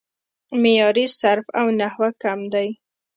معیاري صرف او نحو کم دی